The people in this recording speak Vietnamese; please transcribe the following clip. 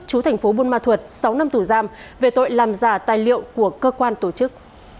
chú thành phố buôn ma thuật sáu năm tù giam về tội làm giả tài liệu của cơ quan tổ chức